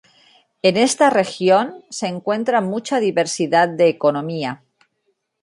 En esta región se encuentra mucha diversidad de economía.